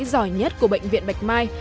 giỏi nhất của bệnh viện bạch mai